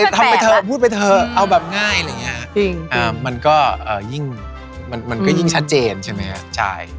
ทำไปเถอะพูดไปเถอะเอาแบบง่ายอะไรอย่างนี้มันก็ยิ่งมันก็ยิ่งชัดเจนใช่ไหมครับ